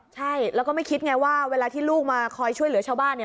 ใช่แล้วก็ไม่คิดไงว่าเวลาที่ลูกมาคอยช่วยเหลือชาวบ้านเนี่ย